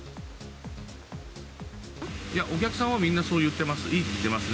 いや、お客さんはみんなそう言っています。